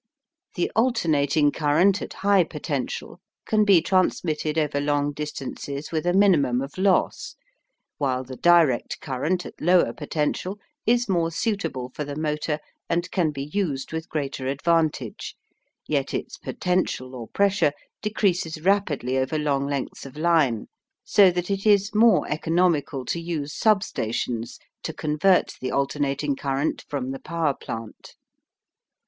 The alternating current at high potential can be transmitted over long distances with a minimum of loss, while the direct current at lower potential is more suitable for the motor and can be used with greater advantage, yet its potential or pressure decreases rapidly over long lengths of line, so that it is more economical to use sub stations to convert the alternating current from the power plant.